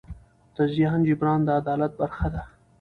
د زیان جبران د عدالت برخه ده.